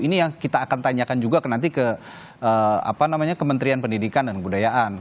ini yang kita akan tanyakan juga nanti ke kementerian pendidikan dan kebudayaan